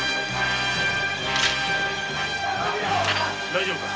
大丈夫か？